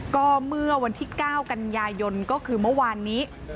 ก็เมื่อวันที่๙กันยายนก็คือเมื่อวานนี้